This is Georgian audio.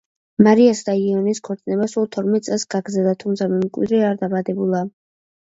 მარიასა და იოანეს ქორწინება სულ თორმეტ წელს გაგრძელდა, თუმცა მემკვიდრე არ დაბადებულა.